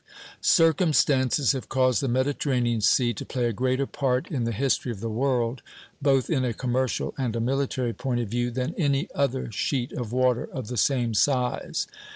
Circumstances have caused the Mediterranean Sea to play a greater part in the history of the world, both in a commercial and a military point of view, than any other sheet of water of the same size.